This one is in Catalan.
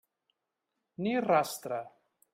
Ni rastre.